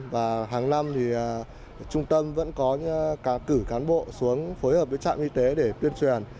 và trung tâm vẫn có cả cử cán bộ xuống phối hợp với trạm y tế để tuyên truyền